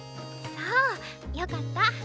そうよかった。